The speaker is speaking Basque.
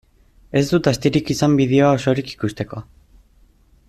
Ez dut astirik izan bideoa osorik ikusteko.